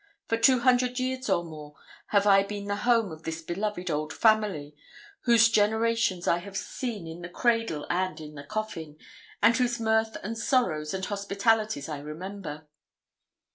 For two hundred years, or more, have I been the home of this beloved old family, whose generations I have seen in the cradle and in the coffin, and whose mirth and sorrows and hospitalities I remember.